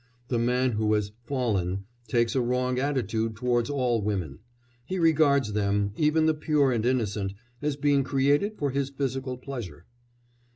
The man who has "fallen" takes a wrong attitude towards all women; he regards them, even the pure and innocent, as being created for his physical pleasure.